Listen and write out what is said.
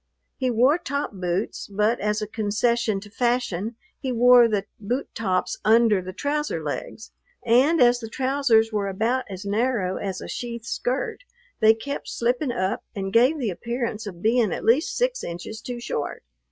He wore top boots, but as a concession to fashion he wore the boot tops under the trouser legs, and as the trousers were about as narrow as a sheath skirt, they kept slipping up and gave the appearance of being at least six inches too short.